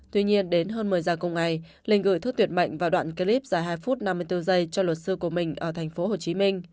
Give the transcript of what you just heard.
tuy nhiên đến hơn một mươi giờ cùng ngày lỉnh gửi thức tuyệt mệnh vào đoạn clip dài hai phút năm mươi bốn giây cho luật sư của mình ở tp hcm